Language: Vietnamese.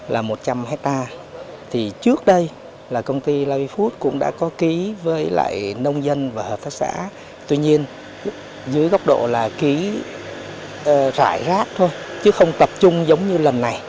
là một trăm linh hectare thì trước đây là công ty live food cũng đã có ký với lại nông dân và hợp tác xã tuy nhiên dưới góc độ là ký rải rác thôi chứ không tập trung giống như lần này